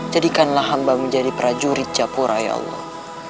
jadikanlah hamba menjadi prajurit japura ya allah